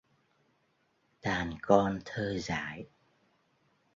Đàn con thơ dại